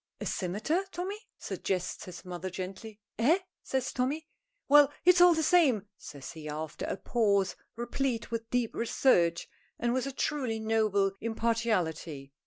"A cimeter, Tommy?" suggests his mother, gently. "Eh?" says Tommy. "Well, it's all the same," says he, after a pause, replete with deep research and with a truly noble impartiality.